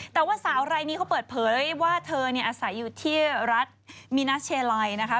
แต่ว่าสาวรายนี้เขาเปิดเผยว่าเธอเนี่ยอาศัยอยู่ที่รัฐมินาเชลัยนะคะ